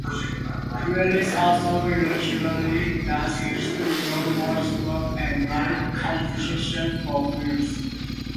Willis also regularly does studio voice work and writes compositions for films.